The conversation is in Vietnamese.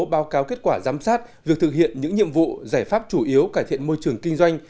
báo cáo kết quả giám sát việc thực hiện những nhiệm vụ giải pháp chủ yếu cải thiện môi trường kinh doanh